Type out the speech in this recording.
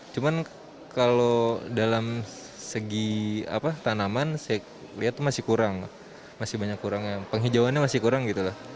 cuman kalau dalam segi tanaman saya lihat itu masih kurang masih banyak kurangnya penghijauannya masih kurang gitu lah